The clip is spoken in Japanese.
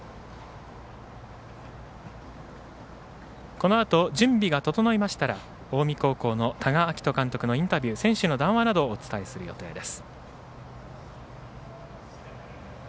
このあと準備が整いましたら近江高校の多賀章仁監督のインタビュー選手の談話などをお伝えする予定です。